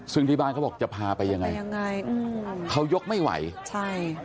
ซึ่งที่บ้านเขาบอกจะพาไปยังไงยังไงเขายกไม่ไหวใช่